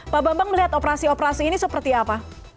pak bambang melihat operasi operasi ini seperti apa